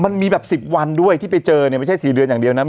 มันมีแบบ๑๐วันด้วยที่ไปเจอเนี่ยไม่ใช่๔เดือนอย่างเดียวนะ